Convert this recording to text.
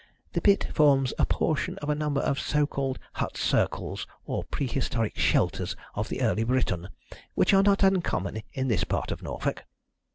The pit forms a portion of a number of so called hut circles, or prehistoric shelters of the early Briton, which are not uncommon in this part of Norfolk."